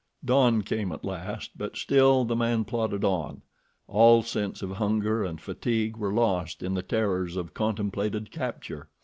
Dawn came at last, but still the man plodded on. All sense of hunger and fatigue were lost in the terrors of contemplated capture.